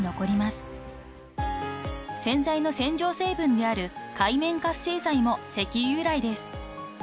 ［洗剤の洗浄成分である界面活性剤も石油由来です］